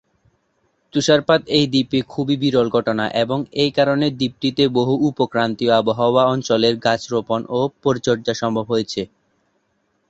তুষারপাত এই দ্বীপে খুবই বিরল ঘটনা এবং এ কারণে দ্বীপটিতে বহু উপ-ক্রান্তীয় আবহাওয়া অঞ্চলের গাছ রোপন ও পরিচর্যা সম্ভব হয়েছে।